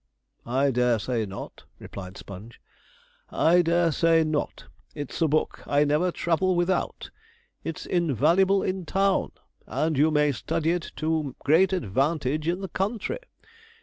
'I dare say not,' replied Sponge, 'I dare say not, it's a book I never travel without. It's invaluable in town, and you may study it to great advantage in the country.